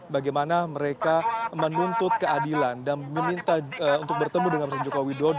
bagaimana mereka menuntut keadilan dan meminta untuk bertemu dengan presiden joko widodo